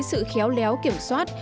sự khéo léo kiểm soát